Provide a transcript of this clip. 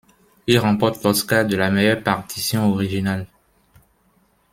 Il remporte l'Oscar de la meilleure partition originale.